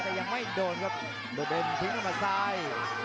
แต่ยังไม่โดนครับโดดเดมทิ้งเข้ามาซ้าย